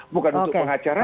bukan untuk pengacaranya